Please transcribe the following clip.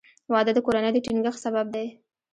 • واده د کورنۍ د ټینګښت سبب دی.